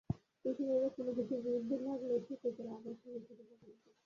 মিশনরীরা কোন কিছুর বিরুদ্ধে লাগলে শিক্ষিতেরা আবার সে বিষয়টি পছন্দ করে।